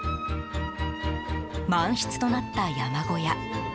満室となった山小屋。